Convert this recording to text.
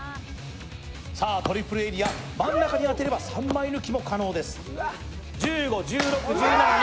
トリプルエリア、真ん中に当てれば３枚抜きも可能です。